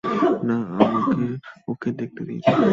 না, আমাকে ওকে দেখতে দিন!